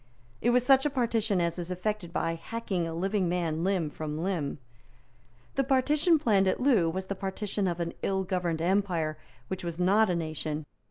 It was such a partition as is effected by hacking a living man limb from limb. The partition planned at Loo was the partition of an ill governed empire which was not a nation.